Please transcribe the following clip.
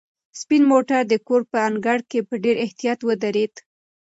سپین موټر د کور په انګړ کې په ډېر احتیاط ودرېد.